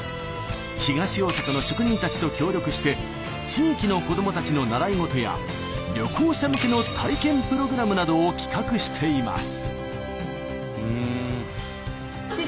東大阪の職人たちと協力して地域の子どもたちの習い事や旅行者向けの体験プログラムなどを企画しています。